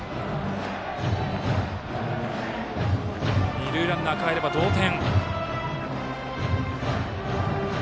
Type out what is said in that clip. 二塁ランナーかえれば同点。